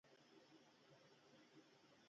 بزگر غواوې ساتي.